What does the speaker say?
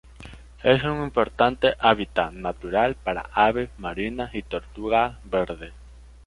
Es un importante hábitat natural para aves marinas y tortugas verdes.